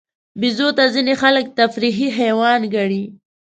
بیزو ته ځینې خلک تفریحي حیوان ګڼي.